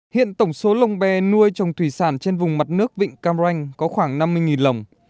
hiện tổng số lồng bè nuôi trồng thủy sản trên vùng mặt nước vịnh cam ranh có khoảng năm mươi lồng